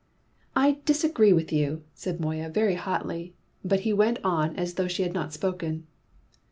"I disagree with you!" said Moya very hotly, but he went on as though she had not spoken.